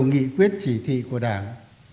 nghị quyết chỉ thị của đảng